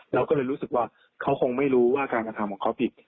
เราก็เลยรู้สึกว่าเขาคงไม่รู้ว่าการกระทำของเขาผิด